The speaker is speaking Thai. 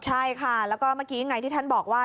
ใช่ค่ะแล้วก็เมื่อกี้ไงที่ท่านบอกว่า